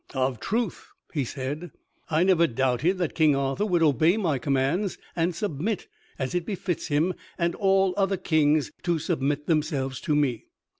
"Of truth," he said, "I never doubted that King Arthur would obey my commands and submit, as it befits him and all other kings to submit themselves to me."